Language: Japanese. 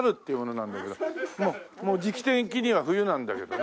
もう時期的には冬なんだけどね。